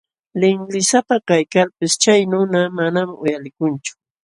Linlisapa kaykalpis chay nuna manam uyalikunchu.